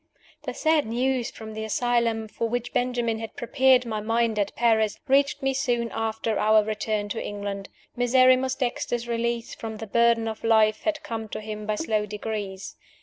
The sad news from the asylum (for which Benjamin had prepared my mind at Paris) reached me soon after our return to England. Miserrimus Dexter's release from the burden of life had come to him by slow degrees.